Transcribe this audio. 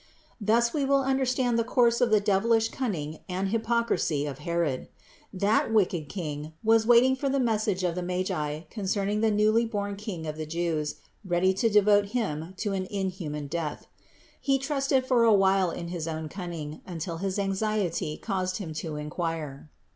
Thus we will understand the course of the devilish cunning and hypocrisy of Herod. That wicked king was waiting for the message of the Magi concerning the newly born King of the Jews, ready to devote Him to an inhuman death. He trusted for a while to his own cunning, until his anxiety caused him to inquire.